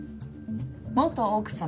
元奥様